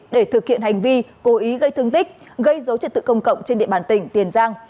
để thực hiện hành vi cố ý gây thương tích gây dối trật tự công cộng trên địa bàn tỉnh tiền giang